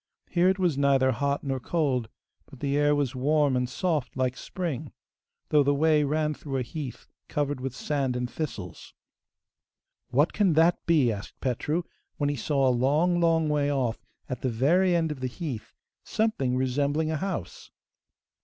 Here it was neither hot nor cold, but the air was warm and soft like spring, though the way ran through a heath covered with sand and thistles. 'What can that be?' asked Petru, when he saw a long, long way off, at the very end of the heath, something resembling a house.